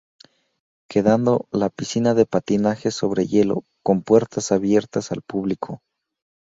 Quedando la piscina de Patinaje sobre hielo, con puertas abiertas al público.